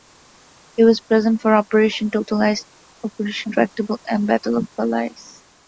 It was present for Operation Totalize, Operation Tractable, and the Battle of Falaise.